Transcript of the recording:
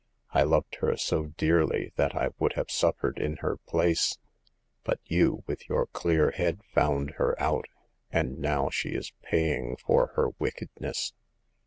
I loved her so dearly that I would have suffered in her place : but you with your clear head found her out, and now she is paying for her wickedness.